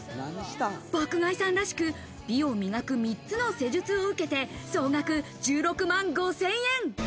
爆買いさんらしく、美を磨く３つの施術を受けて総額１６万５０００円。